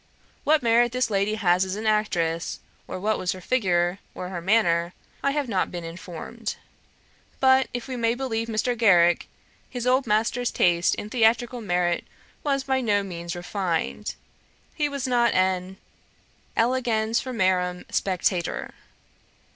What merit this lady had as an actress, or what was her figure, or her manner, I have not been informed: but, if we may believe Mr. Garrick, his old master's taste in theatrical merit was by no means refined; he was not an elegans formarum spectator.